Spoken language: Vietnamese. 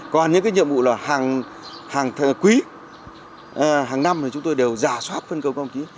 còn những cái nhiệm vụ là hàng quý hàng năm thì chúng tôi đều giả soát phân cầu công ký